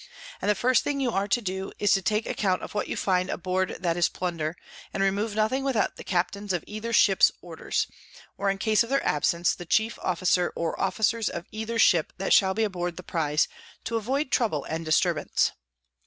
And the first thing you are to do, is to take account of what you find aboard that is Plunder, and remove nothing without the Captains of either Ship's Orders; or in case of their Absence, of the chief Officer or Officers of either Ship that shall be aboard the Prize, to avoid Trouble and Disturbance.